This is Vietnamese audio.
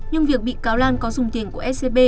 nhưng việc bị cáo lan có dùng tiền của scb